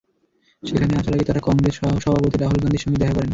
সেখানে আসার আগে তাঁরা কংগ্রেস সহসভাপতি রাহুল গান্ধীর সঙ্গে দেখা করেন।